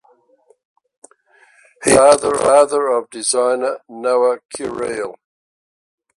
He is the father of designer Noa Curiel.